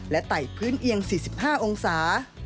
ไต่พื้นเอียง๔๕องศา